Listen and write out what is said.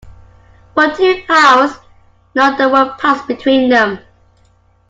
For two hours not a word passed between them.